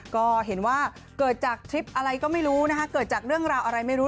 ก็เห็นว่าเกิดจากทริปอะไรก็ไม่รู้นะคะเกิดจากเรื่องราวอะไรไม่รู้